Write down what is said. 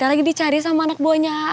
lagi dicari sama anak buahnya